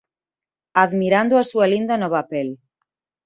"admirando a súa linda nova pel."